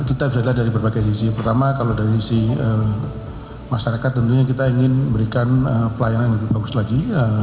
kita bisa lihat dari berbagai sisi pertama kalau dari sisi masyarakat tentunya kita ingin memberikan pelayanan yang lebih bagus lagi